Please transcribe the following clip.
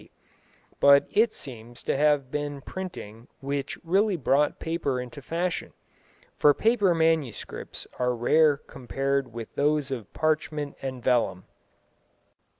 D., but it seems to have been printing which really brought paper into fashion, for paper manuscripts are rare compared with those of parchment and vellum.